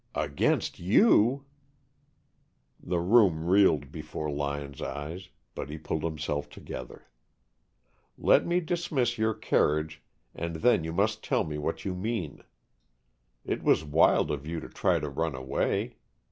"Against you!" The room reeled before Lyon's eyes, but he pulled himself together. "Let me dismiss your carriage and then you must tell me what you mean. It was wild of you to try to run away.